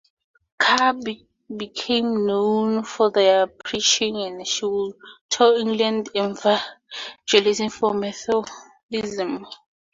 Carr became known for her preaching and she would tour England evangelizing for Methodism.